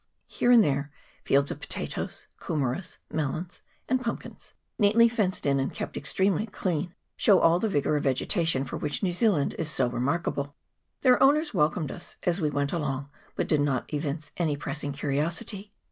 Here and there fields of potatoes, kumeras, melons, and pumpkins, neatly fenced in, and kept extremely clean, show all the vigour of vegetation for which New Zealand is so remarkable. Their owners welcomed us as we went along, but did not evince any pressing curiosity.